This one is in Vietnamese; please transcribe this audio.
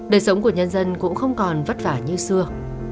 đời sống của nhân dân cũng không còn vất vả như xưa